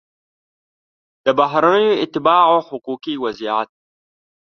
د بهرنیو اتباعو حقوقي وضعیت